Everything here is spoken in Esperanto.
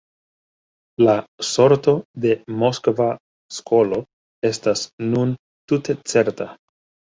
La sorto de Moskva skolo estas nun tute certa.